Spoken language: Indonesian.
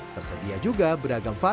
tersedia juga beragam fasilitas